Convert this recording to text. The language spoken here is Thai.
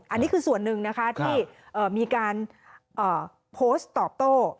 อันนี้คือส่วนหนึ่งนะคะที่มีการโพสต์ตอบโต้